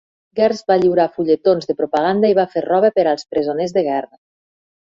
Gertz va lliurar fulletons de propaganda i va fer roba per als presoners de guerra.